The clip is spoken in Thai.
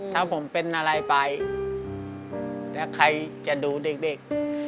ถ้าผมเป็นอะไรไปแล้วใครจะดูเด็ก